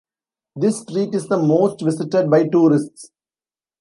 This street is the most visited by tourists.